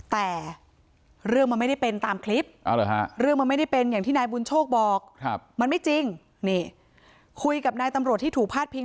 แต่เรื่องมันไม่ได้เป็นตามคลิป